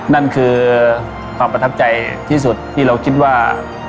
นั่นคือความประทับใจที่สุดที่เราคิดว่า